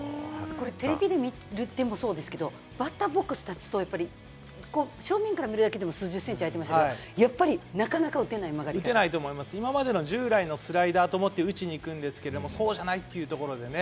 テレビで見てもそうですけど、バッターボックスに立つと正面から見るだけでも数十センチ開いてますけど、やっぱりなかな従来のスライダーと思って打ちに行くんですけど、そうじゃないっていうところでね。